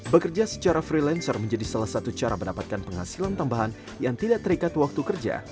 bekerja secara freelancer menjadi salah satu cara mendapatkan penghasilan tambahan yang tidak terikat waktu kerja